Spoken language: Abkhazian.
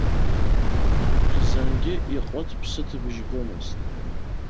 Хьзангьы иҟыт-ԥсытбыжь гомызт.